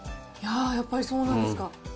やっぱりそうなんですか。